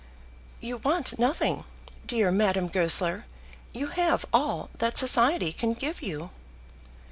"You want nothing, dear Madame Goesler. You have all that society can give you."